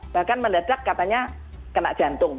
bahkan mendadak katanya kena jantung